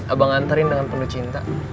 abang nganterin dengan penuh cinta